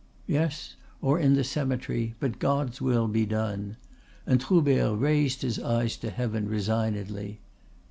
"Yes, or in the cemetery, but God's will be done!" and Troubert raised his eyes to heaven resignedly.